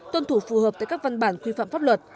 tuân thủ phù hợp tại các văn bản quy phạm pháp luật